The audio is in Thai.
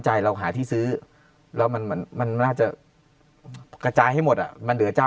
เราหาที่ซื้อแล้วมันเหมือนมันน่าจะกระจายให้หมดอ่ะมันเหลือเจ้า